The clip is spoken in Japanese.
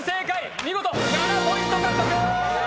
見事７ポイント獲得。